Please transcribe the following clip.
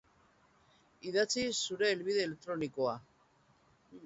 Idatzi zure helbide elektronikoa.